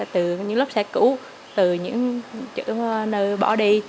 từ những lốp xe cũ từ những chữ nơi bỏ đi